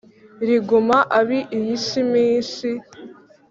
riguma abi iyi minsi: